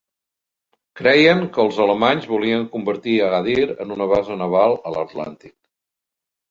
Creien que els alemanys volien convertir Agadir en una base naval a l'Atlàntic.